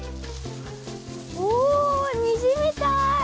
おにじみたい！